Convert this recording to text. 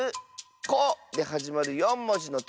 「コ」ではじまる４もじのとりだよ！